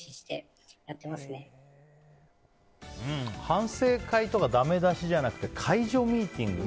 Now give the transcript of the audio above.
反省会とかだめ出しじゃなくて解除ミーティング。